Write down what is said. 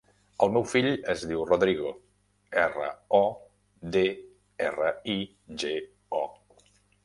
El meu fill es diu Rodrigo: erra, o, de, erra, i, ge, o.